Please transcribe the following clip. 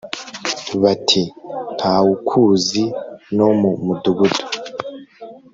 bati ntawukuzi no mu mudugudu